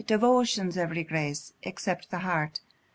] Devotion's ev'ry grace, except the heart!